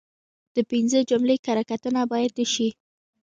د پنځه جملې کره کتنه باید وشي.